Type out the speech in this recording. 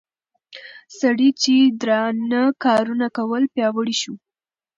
سړي چې درانه کارونه کول پياوړى شو